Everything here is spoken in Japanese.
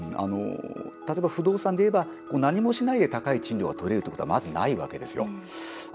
例えば、不動産でいえば何もしないで高い賃料が取れるということはまず、ないわけですよ。